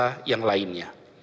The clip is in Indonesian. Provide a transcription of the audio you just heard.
ke orang dewasa yang lainnya